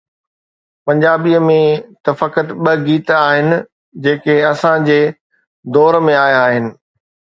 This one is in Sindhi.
پنجابيءَ ۾ ته فقط ٻه گيت آهن، جيڪي اسان جي دور ۾ آيا آهن.